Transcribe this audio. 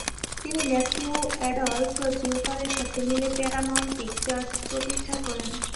তিনি ল্যাস্কি ও আডলফ জিউকারের সাথে মিলে প্যারামাউন্ট পিকচার্স প্রতিষ্ঠা করেন।